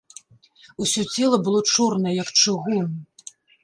Усё цела было чорнае, як чыгун.